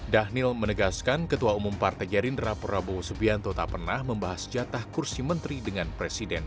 dhanil menegaskan ketua umum partai gerindra prabowo subianto tak pernah membahas jatah kursi menteri dengan presiden